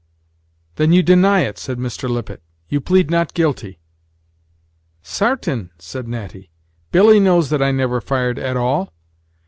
"Then you deny it," said Mr. Lippet; "you plead not guilty?" "Sartain," said Natty; "Billy knows that I never fired at all.